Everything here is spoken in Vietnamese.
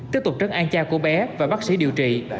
tiếp tục trấn an cha của bé và bác sĩ điều trị